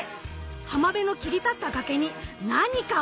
浜辺の切り立った崖に何かを発見！